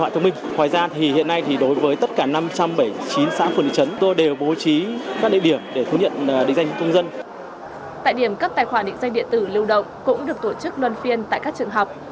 tại điểm cấp tài khoản định danh điện tử lưu động cũng được tổ chức luân phiên tại các trường học